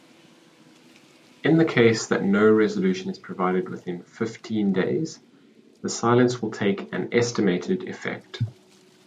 In the case that no resolution is provided within fifteen days, the silence will take an estimated effect.